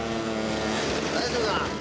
大丈夫だ。